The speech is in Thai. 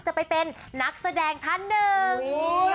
จะเป็นนักแสดงท่านหนึ่ง